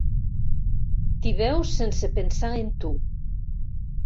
Tibeu sense pensar en tu.